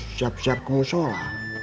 pak ustadz harus siap siap ke musyola